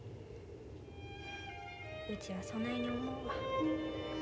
うちはそないに思うわ。